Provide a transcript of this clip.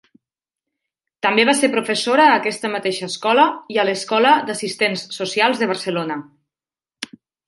També va ser professora a aquesta mateixa escola i a l'Escola d'Assistents Socials de Barcelona.